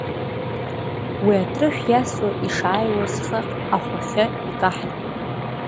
Уи атрышә иасуа ишааиуаз хыхь ахәахьы икаҳаит.